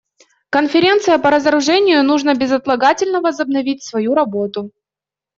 Конференции по разоружению нужно безотлагательно возобновить свою работу.